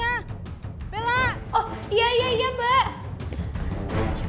punya mata gak